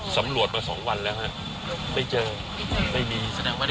สำรวจมาสองวันแล้วนะครับไม่เจอไม่มี